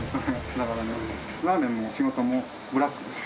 だからねラーメンも仕事もブラックです。